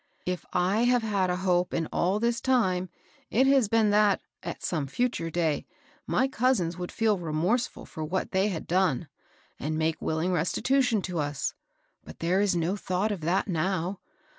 If I have had a hope in all this time it has been that, at some future day, my cousins would feel remorseful for what they had done, and make will ing restitution to us. But there is no thought of that now.